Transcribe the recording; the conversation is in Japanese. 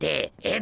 え？